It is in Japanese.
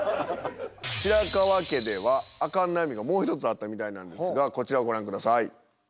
白川家ではアカン悩みがもう１つあったみたいなんですがこちらをご覧下さい。